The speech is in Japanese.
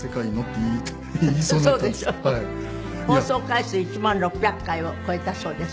放送回数１万６００回を超えたそうです。